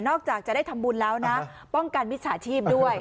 จากจะได้ทำบุญแล้วนะป้องกันมิจฉาชีพด้วย